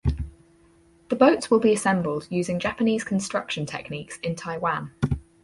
The boats will be assembled using Japanese construction techniques in Taiwan.